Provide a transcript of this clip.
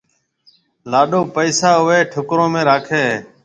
لاڏو پيسا اوئيَ ٺِڪرون ۾ راکيَ ھيََََ